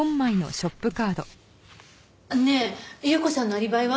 ねえ優子さんのアリバイは？